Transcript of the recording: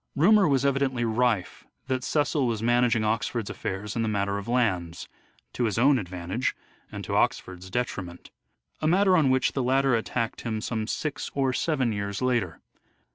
Rumour was evidently rife that Cecil was managing Oxford's affairs in the matter of lands, to his own advantage and to Oxford's detriment : a matter on which the latter attacked him some six or seven years later.